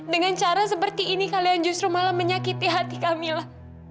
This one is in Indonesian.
dengan cara seperti ini kalian justru malah menyakiti hati kami lah